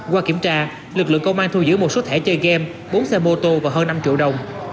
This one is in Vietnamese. qua kiểm tra lực lượng công an thu giữ một số thể chơi game bốn xe mô tô và hơn năm triệu đồng